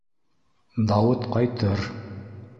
Дауыт ҡайтыр.